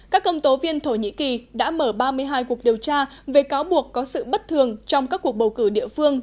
các công tố viên thổ nhĩ kỳ đã mở ba mươi hai cuộc điều tra về cáo buộc có sự bất thường trong các cuộc bầu cử địa phương